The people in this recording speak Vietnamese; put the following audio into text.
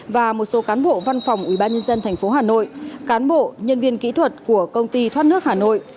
và một số cán bộ văn phòng ubnd tp hà nội cán bộ nhân viên kỹ thuật của công ty thoát nước hà nội